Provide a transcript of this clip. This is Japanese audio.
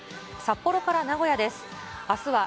札幌から名古屋です。